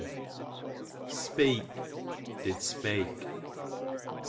Speek, did spake.